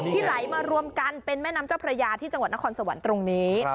ไหลมารวมกันเป็นแม่น้ำเจ้าพระยาที่จังหวัดนครสวรรค์ตรงนี้